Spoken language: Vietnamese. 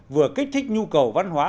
vừa kích thích nhu cầu văn hóa